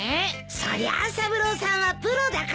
そりゃあ三郎さんはプロだからさ。